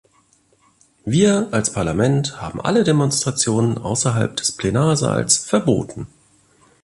Wir als Parlament haben alle Demonstrationen außerhalb des Plenarsaals verboten.